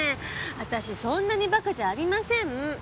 私そんなにバカじゃありません。